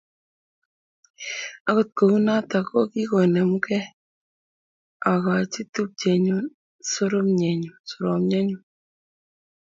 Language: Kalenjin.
Akut kou notok, ko kikonemugee akochi tupchenyu soromnyenyu.